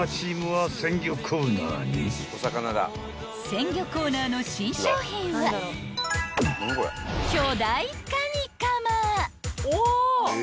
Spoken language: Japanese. ［鮮魚コーナーの新商品は巨大カニかま］